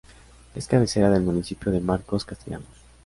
Es cabecera del Municipio de Marcos Castellanos.